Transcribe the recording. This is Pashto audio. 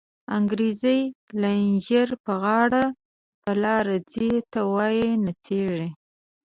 انگریزی لنچر په غاړه، په لار ځی ته وایی نڅیږی